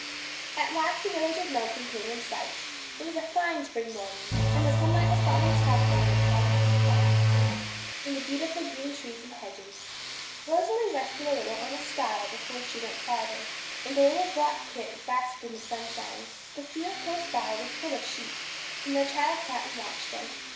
At last the village of Melton came in sight. It was a fine spring morning, and the sunlight was falling softly on the cottages, and farmhouses, and the beautiful green trees and hedges. Rosalie rested a little on a stile before she went farther, and the little black kit basked in the sunshine. The field close by was full of sheep, and the child sat and watched them.